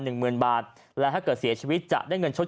โป่งแร่ตำบลพฤศจิตภัณฑ์